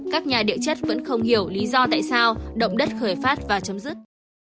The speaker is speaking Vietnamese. các nhà địa chất vẫn không hiểu lý do tại sao động đất khởi phát và chấm dứt